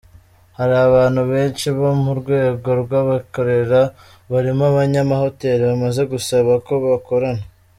Hari abantu benshi bo mu rwego rw’abikorera barimo abanyamahoteli bamaze gusaba ko bakorana.